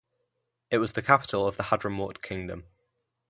It was the capital of the Hadramawt Kingdom.